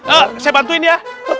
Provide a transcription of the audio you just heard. eh saya bantuin ya